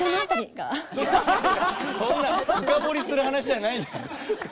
そんな深掘りする話じゃないじゃん。